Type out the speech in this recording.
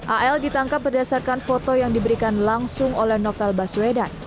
al ditangkap berdasarkan foto yang diberikan langsung oleh novel baswedan